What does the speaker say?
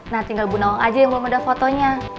nah tinggal bu nawang aja yang belum ada fotonya